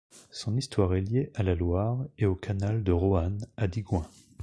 Son histoire est liée à la Loire et au canal de Roanne à Digoin.